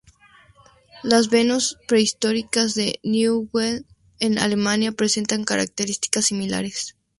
Las venus prehistóricas de Neuwied, en Alemania, presentan características similares.